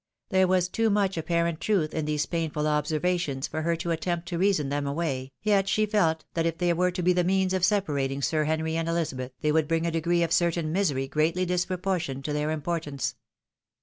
There was too much apparent truth in these painful observations for her to attempt to reason them away, yet 'she felt that if they were to be the means of separating Sir Henry and EUzabeth, they would bring a degree of certain misery greatly disproportidned to their importance.